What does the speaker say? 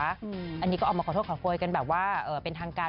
อันนี้ก็ออกมาขอโทษขอโพยกันแบบว่าเป็นทางการ